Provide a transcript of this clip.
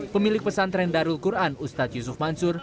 pemilik pesantren darul quran ustadz yusuf mansur